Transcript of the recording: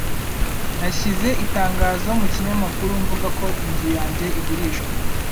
Nashyize itangazo mu kinyamakuru mvuga ko inzu yanjye igurishwa.